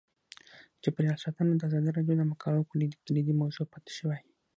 چاپیریال ساتنه د ازادي راډیو د مقالو کلیدي موضوع پاتې شوی.